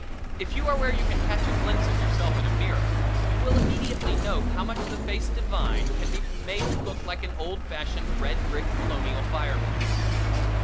If you are where you can catch a glimpse of yourself in a mirror you will immediately note how much the human face divine can be made to look like an old fashioned red brick Colonial fire place.